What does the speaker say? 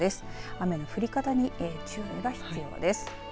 雨の降り方に注意が必要です。